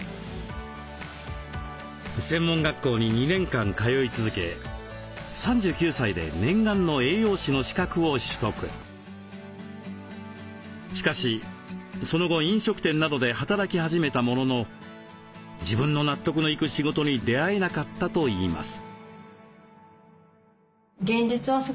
専門学校に２年間通い続けしかしその後飲食店などで働き始めたものの自分の納得のいく仕事に出会えなかったといいます。